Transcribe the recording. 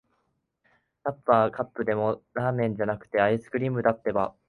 カップはカップでも、ラーメンじゃなくて、アイスクリームだってば。